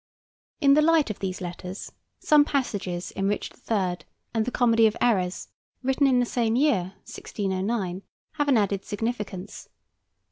In the light of these letters, some passages in "Richard III." and the "Comedy of Errors," written in the same year (1609), have an added significance.